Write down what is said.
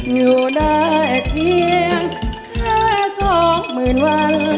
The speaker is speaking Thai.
อยู่ได้เพียงแค่สองหมื่นวัน